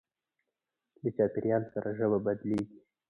له چاپېریال سره ژبه بدلېږي.